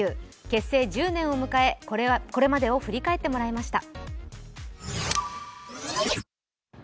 結成１０年を迎え、これまでを振り返ってもらいました。